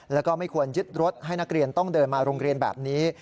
แล้วก็ไม่ควรยึดรถให้นักเรียนต้องเดินมาโรงเรียนแบบนี้